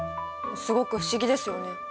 すごく不思議ですよね。